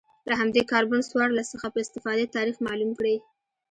له همدې کاربن څوارلس څخه په استفادې تاریخ معلوم کړي